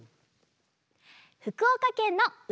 ふくおかけんのう